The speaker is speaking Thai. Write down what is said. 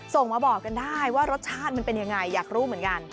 ส่งมาบอกกันได้ว่ารสชาติมันเป็นยังไงอยากรู้เหมือนกัน